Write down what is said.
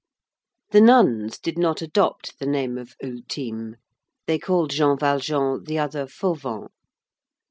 The nuns did not adopt the name of Ultime; they called Jean Valjean the other Fauvent.